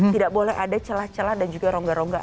tidak boleh ada celah celah dan juga rongga rongga